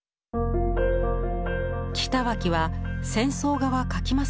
北脇は戦争画は描きませんでした。